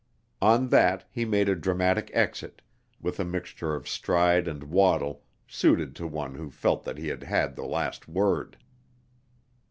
On that he made a dramatic exit, with a mixture of stride and waddle suited to one who felt that he had had the last word.